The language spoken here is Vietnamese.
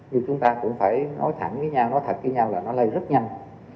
như chúng ta cũng phải nói thẳng với nhau nói thật với nhau là nó lây rất nhanh